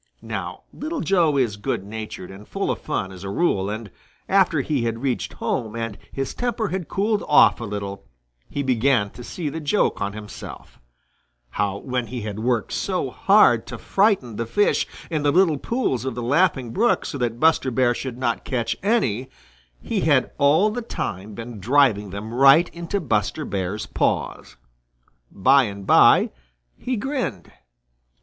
Now Little Joe is good natured and full of fun as a rule, and after he had reached home and his temper had cooled off a little, he began to see the joke on himself, how when he had worked so hard to frighten the fish in the little pools of the Laughing Brook so that Buster Bear should not catch any, he had all the time been driving them right into Buster's paws. By and by he grinned.